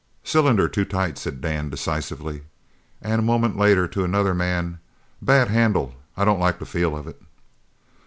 "Cylinder too tight," said Dan decisively, and a moment later to another man, "Bad handle. I don't like the feel of it."